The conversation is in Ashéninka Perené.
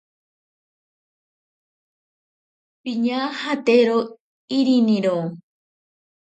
Piñajatero iriniro.